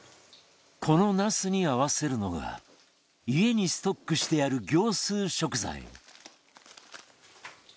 このなすに合わせるのが家にストックしてある業スー食材